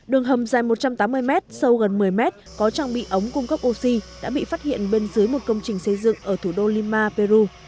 đường hầm dài một trăm tám mươi mét sâu gần một mươi mét có trang bị ống cung cấp oxy đã bị phát hiện bên dưới một công trình xây dựng ở thủ đô lima peru